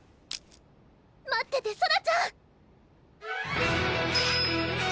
待っててソラちゃん！